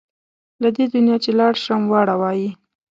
له دې دنیا چې لاړ شم واړه وايي.